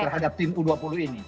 terhadap tim u dua puluh ini